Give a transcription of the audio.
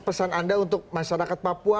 pesan anda untuk masyarakat papua